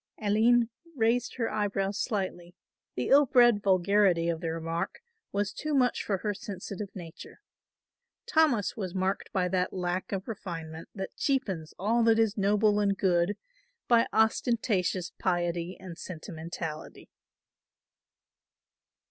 Aline raised her eyebrows slightly, the ill bred vulgarity of the remark was too much for her sensitive nature. Thomas was marked by that lack of refinement that cheapens all that is noble and good by ostentatious piety and sentimentality.